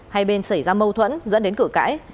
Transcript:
hai bên xảy ra mâu thuẫn dẫn đến cửa cãi